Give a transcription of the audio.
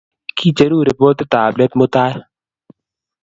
Kicheru ripotit ap let mutai.